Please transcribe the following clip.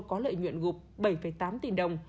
có lợi nhuận gụp bảy tám tỷ đồng